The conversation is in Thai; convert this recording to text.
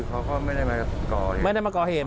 คือเขาก็ไม่ได้มาก่อเหตุ